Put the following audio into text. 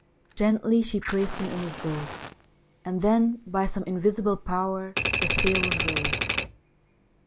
Gently she placed him in his boat, and then, by some invisible power, the sail was raised.